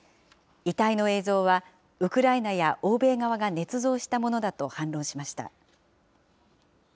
遺体の映像はウクライナや欧米側がねつ造したものだと反論しました。